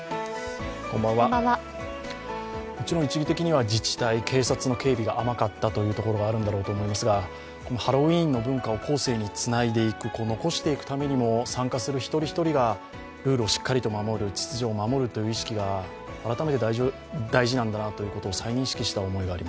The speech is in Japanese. もちろん一義的には自治体、警察の警備が甘かったというところがあるんだろうと思いますがハロウィーンの文化を後世につないでいく、残していくためにも、参加する一人一人がルールをしっかりと守る、秩序を守るという意識が改めて大事なんだなということを再認識しました。